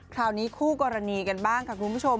คราวนี้คู่กรณีกันบ้างค่ะคุณผู้ชม